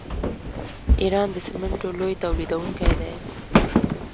ایران د سمنټو لوی تولیدونکی دی.